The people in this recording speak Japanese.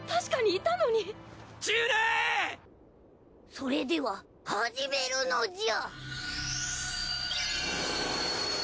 それでは始めるのじゃ！